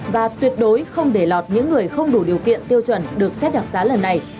và tuyệt đối không để lọt những người không đủ điều kiện tiêu chuẩn được xét đặc giá lần này